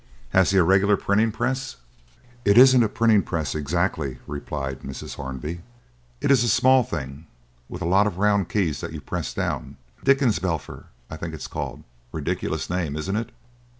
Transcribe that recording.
"Has he a regular printing press?" "It isn't a printing press exactly," replied Mrs. Hornby; "it is a small thing with a lot of round keys that you press down Dickensblerfer, I think it is called ridiculous name, isn't it?